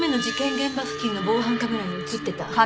現場付近の防犯カメラに映ってた。